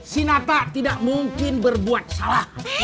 sina tak tidak mungkin berbuat salah